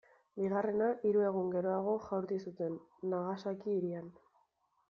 Bigarrena, hiru egun geroago jaurti zuten, Nagasaki hirian.